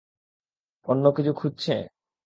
অন্য কিছু খুঁজছে?